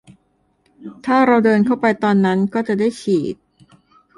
ถ้าเราเดินเข้าไปตอนนั้น ก็จะได้ฉีด